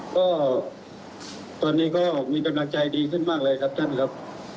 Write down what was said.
ก็ตอนนี้ก็มีกำลังใจดีขึ้นมากเลยครับท่านครับ